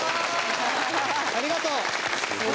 ありがとう！